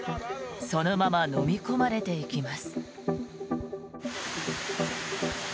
そのままのみ込まれていきます。